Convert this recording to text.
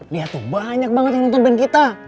liat tuh banyak banget yang nonton band kita